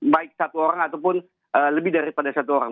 baik satu orang ataupun lebih daripada satu orang